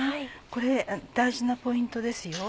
これ大事なポイントですよ。